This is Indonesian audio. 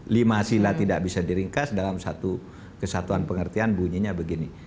lima sila tidak bisa diringkas dalam satu kesatuan pengertian bunyinya begini